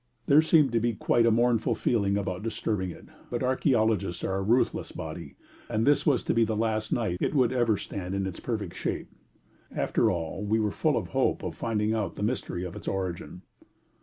There seemed to be quite a mournful feeling about disturbing it; but archæologists are a ruthless body, and this was to be the last night it would ever stand in its perfect shape. After all, we were full of hope of finding out the mystery of its origin.